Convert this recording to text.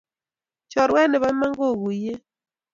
Choruet nepo Iman kokuuyei